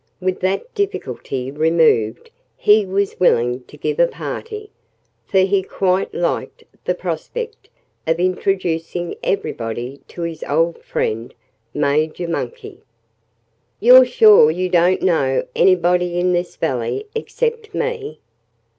With that difficulty removed he was willing to give a party, for he quite liked the prospect of introducing everybody to "his old friend, Major Monkey." "You're sure you don't know anybody in this valley except me?"